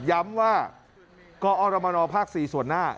ย้ำว่ากอรมนภ๔ส่วนหน้า